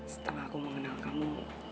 setelah aku mengenal kamu